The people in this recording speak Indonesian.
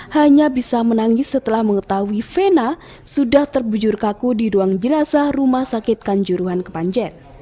hanya bisa menangis setelah mengetahui fena sudah terbujur kaku di ruang jenazah rumah sakitkan juruhan kepanjet